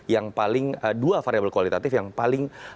yang paling dua variabel kualitatif yang paling